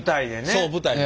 そう舞台で。